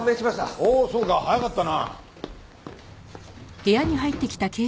おおそうか早かったな。